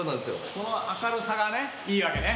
この明るさがねいいわけね。